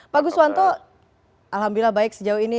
pak gus wanto alhamdulillah baik sejauh ini